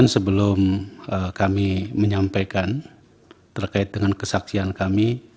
sebelum kami menyampaikan terkait dengan kesaksian kami